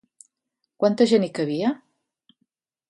Quanta gent hi cabia?